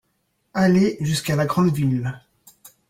Aller jusqu'à la grande ville.